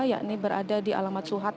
yakni berada di alamat suhad